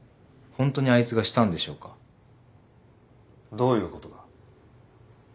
どういうことだ？